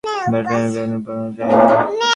ড্রাইভারের চেহারার বর্ণনা পাওয়া যায়নি।